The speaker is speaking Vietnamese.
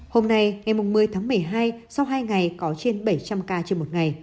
hôm nay ngày một mươi tháng một mươi hai sau hai ngày có trên bảy trăm linh ca trên một ngày